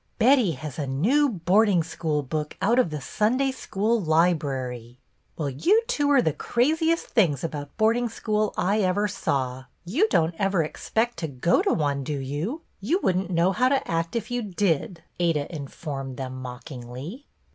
" Betty has a new boarding school book out of the Sunday School library !" "Well, you two are the craziest things about boarding school I ever saw. You don't ever expect to go to one, do you.'* You would n't know how to act if you did," Ada informed them mockingly.